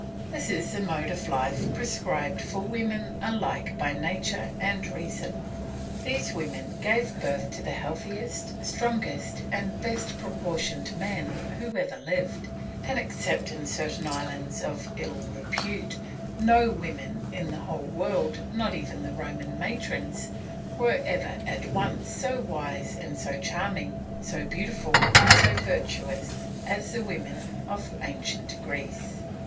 This is the mode of life prescribed for women alike by nature and reason. These women gave birth to the healthiest, strongest, and best proportioned men who ever lived, and except in certain islands of ill repute, no women in the whole world, not even the Roman matrons, were ever at once so wise and so charming, so beautiful and so virtuous, as the women of ancient Greece.